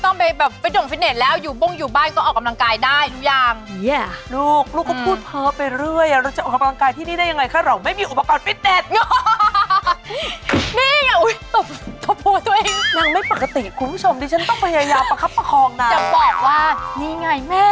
แต่หน้าละวงหน้าค่ะแม่ฟอง